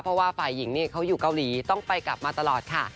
เพราะว่าฝ่ายหญิงเขาอยู่เกาหลีต้องไปกลับมาตลอดค่ะ